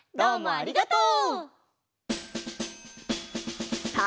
ありがとう！